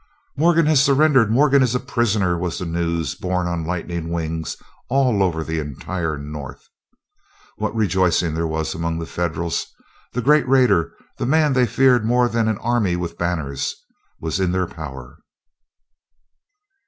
"Morgan has surrendered! Morgan is a prisoner!" was the news borne on lightning wings all over the entire North. What rejoicing there was among the Federals! The great raider, the man they feared more than an army with banners, was in their power.